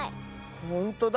ほんとだ。